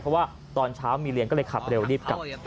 เพราะว่าตอนเช้ามีเรียนก็เลยขับเร็วรีบกลับ